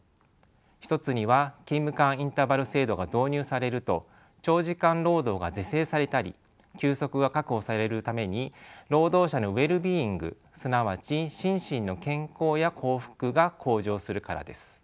一つには勤務間インターバル制度が導入されると長時間労働が是正されたり休息が確保されるために労働者のウェルビーイングがすなわち心身の健康や幸福が向上するからです。